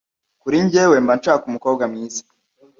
Kuri njyewe mba nshaka umukobwa mwiza